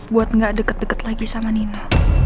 buat gak deket deket lagi sama nina